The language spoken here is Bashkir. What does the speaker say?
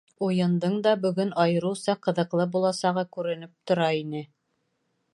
Уйындың да бөгөн айырыуса ҡыҙыҡлы буласағы күренеп тора ине.